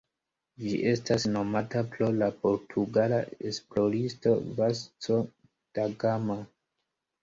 Ĝi estas nomata pro la portugala esploristo Vasco da Gama.